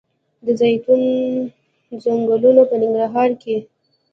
د زیتون ځنګلونه په ننګرهار کې دي؟